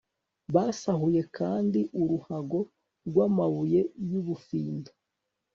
basahuye kandi uruhago rw'amabuye y'ubufindo